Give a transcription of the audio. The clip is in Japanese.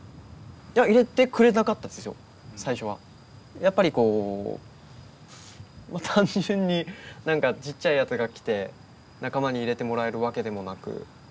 やっぱりこう単純になんかちっちゃいやつが来て仲間に入れてもらえるわけでもなく。